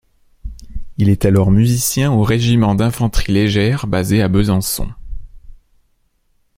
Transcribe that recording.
Il est alors musicien au Régiment d'Infanterie légère basé à Besançon.